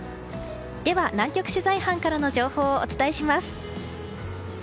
では南極取材班からの情報をお伝えします。